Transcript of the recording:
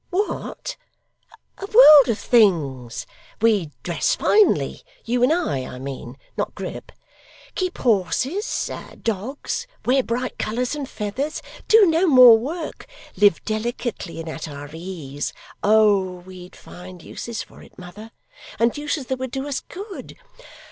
'What! A world of things. We'd dress finely you and I, I mean; not Grip keep horses, dogs, wear bright colours and feathers, do no more work, live delicately and at our ease. Oh, we'd find uses for it, mother, and uses that would do us good.